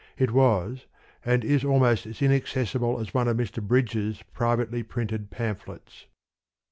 It was and is almost as inaccessible as one of Mr. Bridges' privately printed pamphlets.